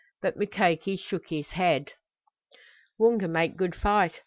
But Mukoki shook his head. "Woonga make good fight.